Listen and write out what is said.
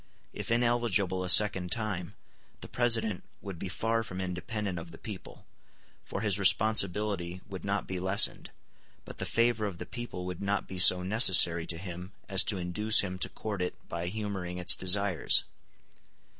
If ineligible a second time, the President would be far from independent of the people, for his responsibility would not be lessened; but the favor of the people would not be so necessary to him as to induce him to court it by humoring its desires.